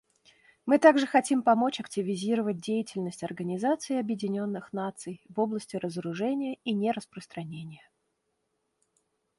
Мы также хотим помочь активизировать деятельность Организации Объединенных Наций в области разоружения и нераспространения.